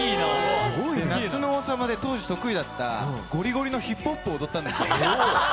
「夏の王様」で当時得意だったゴリゴリのヒップホップを踊ったんです。